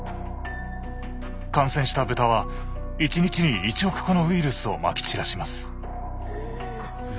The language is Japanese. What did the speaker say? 感染した豚は１日に１億個のウイルスをまき散らします。